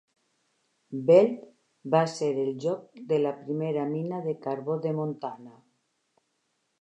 Belt va ser el lloc de la primera mina de carbó de Montana.